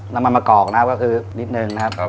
น้ำมันมากรอกนะครับก็คือนิดหนึ่งนะครับ